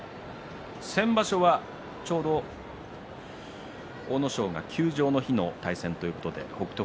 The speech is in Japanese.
先場所はちょうど阿武咲が休場の日の対戦ということで北勝